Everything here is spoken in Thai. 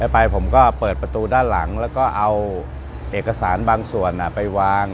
ไปผมก็เปิดประตูด้านหลังแล้วก็เอาเอกสารบางส่วนไปวาง